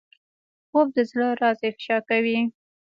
خوب د زړه راز افشا کوي